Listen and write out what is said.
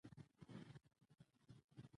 دا دوه ډکي د ګلاب دې هومره ډير شي